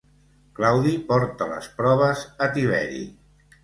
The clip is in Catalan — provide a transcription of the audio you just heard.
Claudi porta les proves a Tiberi.